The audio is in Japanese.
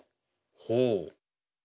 ほう？